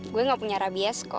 gue gak punya rabies kok